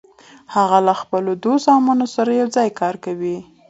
هغه له خپلو دوو زامنو سره یوځای کار کاوه.